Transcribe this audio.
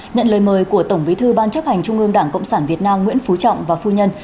nhận lời mời của tổng bí thư ban chấp hành trung ương đảng cộng sản việt nam nguyễn phú trọng và phu nhân